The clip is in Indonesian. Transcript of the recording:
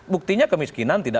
buktinya kemiskinan tidak sempurna